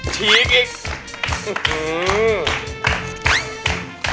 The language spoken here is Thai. ชี้กระดาษอีก